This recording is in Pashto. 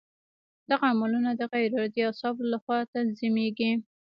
دغه عملونه د غیر ارادي اعصابو له خوا تنظیمېږي.